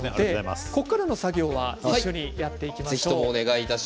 ここからの作業は一緒にやっていきましょう。